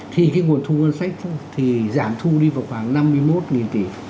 thì cái nguồn thu ngân sách thì giảm thu đi vào khoảng năm mươi một tỷ